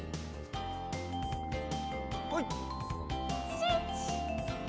７！